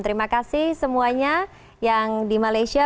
terima kasih semuanya yang di malaysia